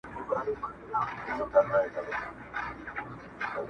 بارونه ئې تړل، اوښانو ژړل.